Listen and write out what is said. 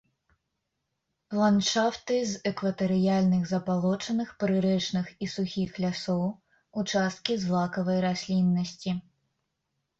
Ландшафты з экватарыяльных забалочаных, прырэчных і сухіх лясоў, участкі злакавай расліннасці.